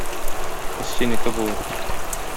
Кыз синеке булыр